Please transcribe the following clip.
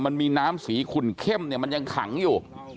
มันมีน้ำสีขุ่นเข้มเนี่ยมันยังขังอยู่